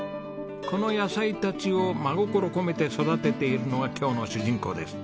この野菜たちを真心込めて育てているのが今日の主人公です。